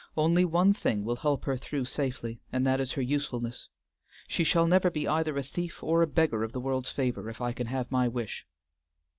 "Only one thing will help her through safely, and that is her usefulness. She shall never be either a thief or a beggar of the world's favor if I can have my wish."